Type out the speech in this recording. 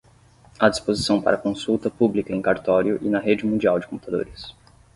à disposição para consulta pública em cartório e na rede mundial de computadores